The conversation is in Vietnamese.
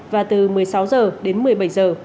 và từ một mươi sáu h đến một mươi bảy h